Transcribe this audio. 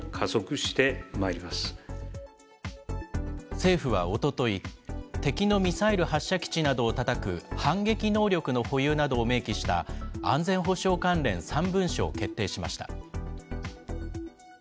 政府はおととい、敵のミサイル発射基地などをたたく反撃能力の保有などを明記した、安全保障関連３文書を決定しました。